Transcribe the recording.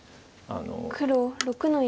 黒６の一。